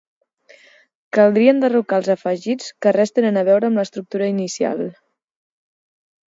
Caldria enderrocar els afegits que res tenen a veure amb l'estructura inicial.